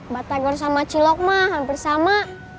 batagor sama cilok mah hampir sama